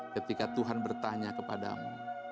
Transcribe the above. ketika tuhan bertanya kepadamu